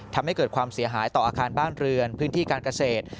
ทำให้เกิดความเสียหายต่ออาคารบ้านเรือนพื้นที่การเกษตร